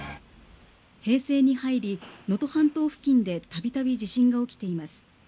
平成に入り、能登半島付近でたびたび地震が起きています。